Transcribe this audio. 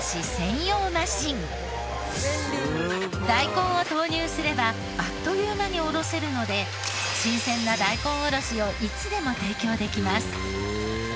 大根を投入すればあっという間におろせるので新鮮な大根おろしをいつでも提供できます。